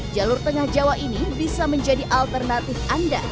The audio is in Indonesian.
jalur tengah jawa ini bisa menjadi alternatif anda